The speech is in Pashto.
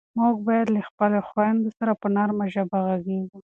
موږ باید له خپلو خویندو سره په نرمه ژبه غږېږو.